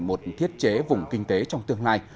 một thiết chế vùng kinh tế trong tương lai